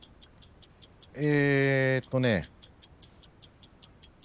えーっとね。